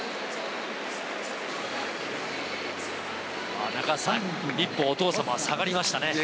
あぁ中畑さん一歩お父様は下がりましたね。